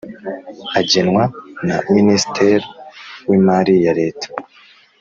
agenwa na ministre w’imari ya leta